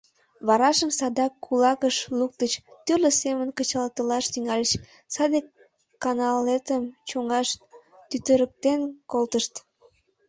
Варажым садак кулакыш луктыч, тӱрлӧ семын кычалтылаш тӱҥальыч, саде каналетым чоҥаш тӱтырыктен колтышт.